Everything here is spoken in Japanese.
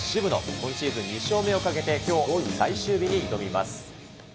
今シーズン２勝目をかけて、きょう、最終日に挑みます。